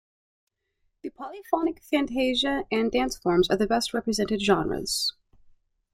The polyphonic fantasia and dance forms are the best represented genres.